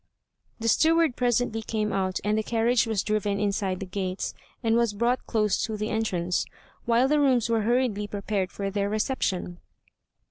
The steward presently came out and the carriage was driven inside the gates, and was brought close to the entrance, while the rooms were hurriedly prepared for their reception.